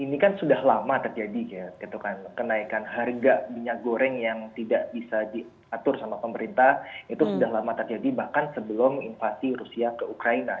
ini kan sudah lama terjadi kenaikan harga minyak goreng yang tidak bisa diatur sama pemerintah itu sudah lama terjadi bahkan sebelum invasi rusia ke ukraina